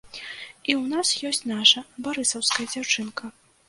І ў нас ёсць наша, барысаўская дзяўчынка.